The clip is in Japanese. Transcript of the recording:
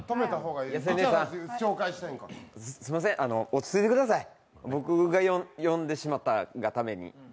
落ち着いてください、僕が呼んでしまったがために。